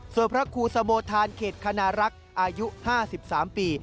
ส่วนพระครูสโมทานเขตคณรักษ์อายุ๕๓ปี